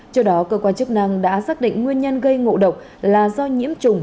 trước đó cơ quan chức năng đã xác định nguyên nhân gây ngộ độc là do nhiễm trùng